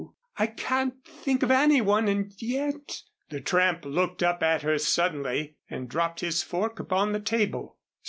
I can't think of anyone, and yet " The tramp looked up at her suddenly and dropped his fork upon the table.